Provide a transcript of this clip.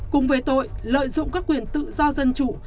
cùng với tội lợi dụng các quyền tự do dân chủ